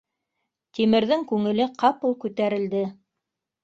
Тимерҙең күңеле ҡапыл күтәрелде.